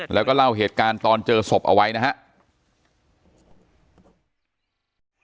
แล้วก็เล่าเหตุการณ์ตอนเจอศพเอาไว้นะครับ